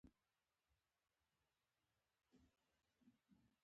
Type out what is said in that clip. تنور د مینې تود لمبه لري